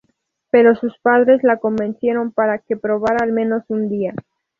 Pero sus padres la convencieron para que probara al menos un día.